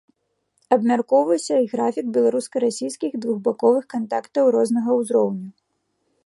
Абмяркоўваўся і графік беларуска-расійскіх двухбаковых кантактаў рознага ўзроўню.